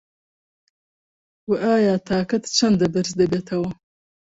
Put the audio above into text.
وه ئایا تاکەت چەندە بەرز دەبێتەوه